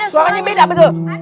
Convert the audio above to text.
suaranya beda betul